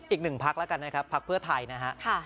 อีกหนึ่งพักแล้วกันนะครับพักเพื่อไทยนะฮะ